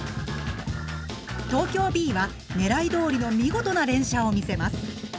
東京Ｂは狙いどおりの見事な連射を見せます。